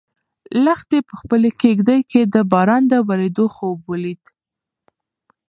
لښتې په خپلې کيږدۍ کې د باران د ورېدو خوب ولید.